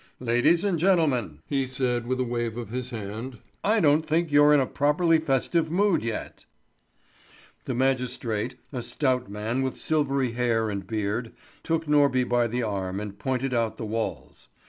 "Ladies and gentlemen," he said, with a wave of his hand, "I don't think you're in a properly festive mood yet." The magistrate, a stout man with silvery hair and beard, took Norby by the arm and pointed out the walls.